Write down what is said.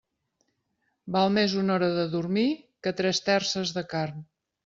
Val més una hora de dormir que tres terces de carn.